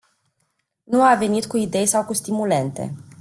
Nu a venit cu idei sau cu stimulente.